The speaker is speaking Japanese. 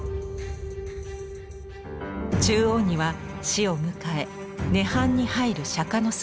中央には死を迎え涅槃に入る釈迦の姿。